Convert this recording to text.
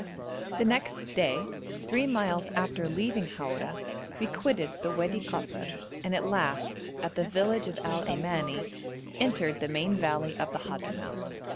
The next day, three miles after leaving Haura, we quitted the Wadi Kasr and at last, at the village of Alimani, entered the main valley of the Hadhramout.